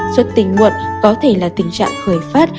xuất tình nguyện có thể là tình trạng khởi phát